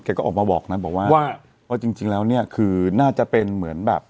ก็ออกมาบอกนะบอกว่าว่าจริงแล้วเนี่ยคือน่าจะเป็นเหมือนแบบ